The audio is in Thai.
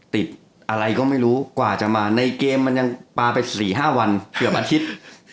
ติดอะไรก็ไม่รู้กว่าจะมาในเกมมันยังปลาไป๔๕วันเกือบอาทิตย์